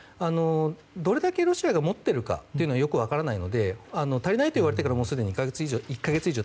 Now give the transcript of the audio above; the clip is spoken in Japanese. どれだけロシアが持っているかはよく分からないので足りないといわれてから１か月以上